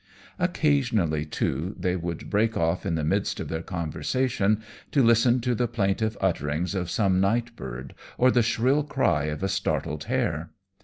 Occasionally, too, they would break off in the midst of their conversation to listen to the plaintive utterings of some night bird or the shrill cry of a startled hare.